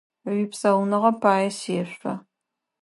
Уипсауныгъэ пае сешъо!